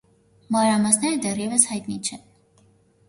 Մանրամասները դեռևս հայտնի չեն։